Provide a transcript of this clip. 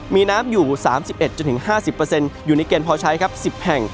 มีน้ำอยู่๓๑๕๐อยู่ในเกณฑ์พอใช้ครับ๑๐แห่ง